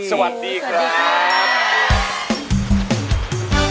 สวัสดีครับ